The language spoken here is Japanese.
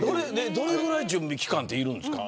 どのぐらい準備期間っているんですか。